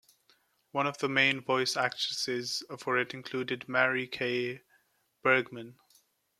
One of the main voice actresses for it included Mary Kay Bergman.